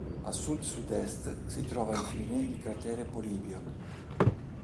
A sud-sud-est si trova infine il cratere Polibio.